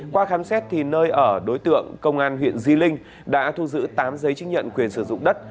qua khám xét thì nơi ở đối tượng công an huyện di linh đã thu giữ tám giấy chứng nhận quyền sử dụng đất